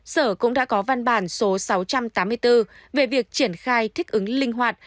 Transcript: sở cũng đã có văn bản số sáu trăm tám mươi bốn về việc triển khai thích ứng linh hoạt